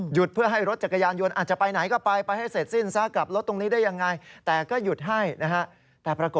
หยุดเพื่อให้รถจักรยานยนต์